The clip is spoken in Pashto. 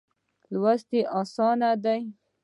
لوستل یې آسانه دي.